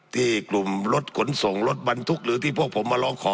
ที่กลุ่มรถขนส่งรถบรรทุกหรือที่พวกผมมาร้องขอ